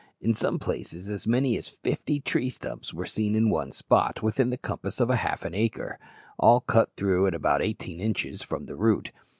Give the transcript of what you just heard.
In some places as many as fifty tree stumps were seen in one spot, within the compass of half an acre, all cut through at about eighteen inches from the root.